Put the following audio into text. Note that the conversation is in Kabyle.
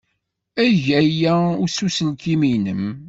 Eg aya s uselkim-nnem.